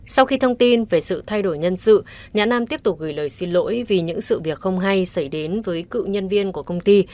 sau khi thông tin về sự thay đổi nhân sự nhã nam tiếp tục gửi lời xin lỗi vì những sự việc không hay xảy đến với cựu nhân viên của công ty